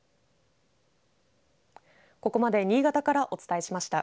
ここまで新潟からお伝えしました。